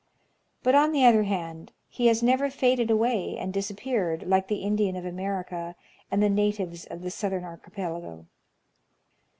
But, on the other hand, he has never faded away and disappeared, like the Indian of America and the natives of the Southern Archipelago.